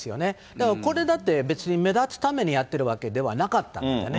だからこれだって、別に目立つためにやっているわけではなかったわけですよね。